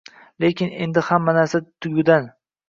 Lekin, endi hamma narsa tugugan